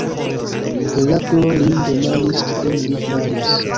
Heraklo lin demandis kion li faris.